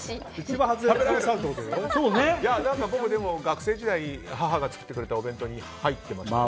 僕、学生時代に母が作ってくれたお弁当に入っていましたよ。